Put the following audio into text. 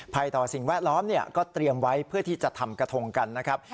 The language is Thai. ต่อสิ่งแวดล้อมก็เตรียมไว้เพื่อที่จะทำกระทงกันนะครับ